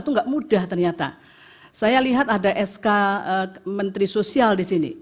itu nggak mudah ternyata saya lihat ada sk menteri sosial di sini